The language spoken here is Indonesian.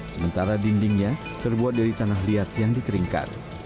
sementara dindingnya terbuat dari tanah liat yang dikeringkan